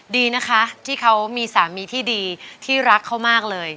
ดีนะคะที่เขามีสามีที่ดีที่รักเขามากเลย